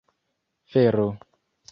fero